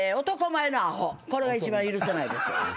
これが一番許せないです。